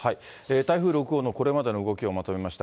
台風６号のこれまでの動きをまとめました。